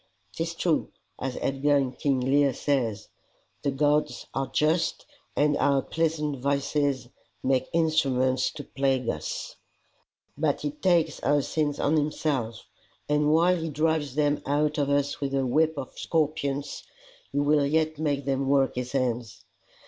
"'Tis true, as Edgar in King Lear says: The gods are just, and of our pleasant vices Make instruments to plague us; but he takes our sins on himself, and while he drives them out of us with a whip of scorpions he will yet make them work his ends.